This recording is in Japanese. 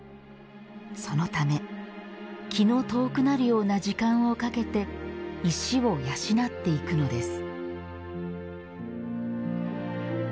そのため、気の遠くなるような時間をかけて石を養っていくのです。